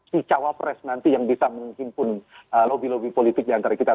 si capres nanti yang bisa mengumpulkan lobby lobby politik di antara kita